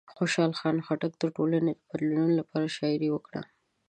خوشحال خان خټک د ټولنې د بدلولو لپاره شاعري وکړه.